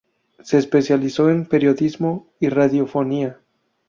Se especializó en periodismo y radiofonía.